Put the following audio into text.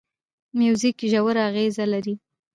موزیک ژور اغېز لري.